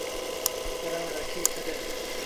پرآن رکي ڇڏ۔